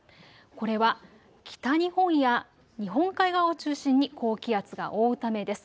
これは北日本や日本海側を中心に高気圧が覆うためです。